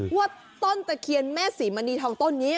ว่าต้นตะเคียนแม่ศรีมณีทองต้นนี้